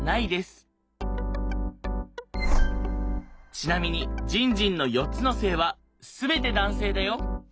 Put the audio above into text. ちなみにじんじんの４つの性は全て男性だよ。